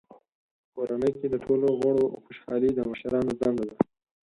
په کورنۍ کې د ټولو غړو خوشحالي د مشرانو دنده ده.